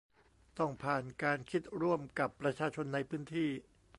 ต้องผ่านการคิดร่วมกับประชาชนในพื้นที่